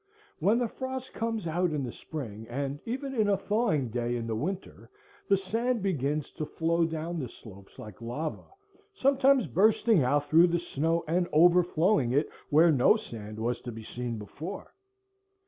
When the frost comes out in the spring, and even in a thawing day in the winter, the sand begins to flow down the slopes like lava, sometimes bursting out through the snow and overflowing it where no sand was to be seen before.